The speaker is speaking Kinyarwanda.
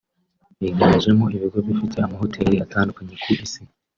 biganjemo ibigo ifite amahoteli atandukanye ku isi